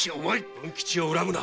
文吉を恨むな。